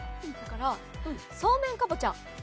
そうめんかぼちゃ。